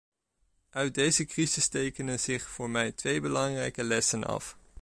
Uit deze crisis tekenen zich voor mij twee belangrijke lessen af.